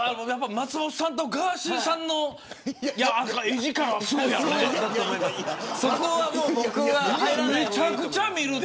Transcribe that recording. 松本さんとガーシーさんの絵力はすごいやろうね。